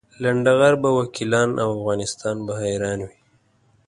لنډه غر به وکیلان او افغانستان به حیران وي.